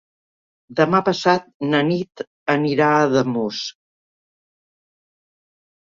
Demà passat na Nit anirà a Ademús.